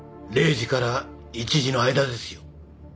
０時から１時の間ですよ。